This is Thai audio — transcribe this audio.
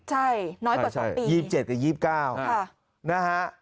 ใช่น้อยกว่า๒ปี๒๗กับ๒๙นะฮะ